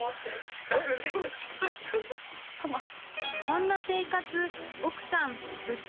［こんな生活］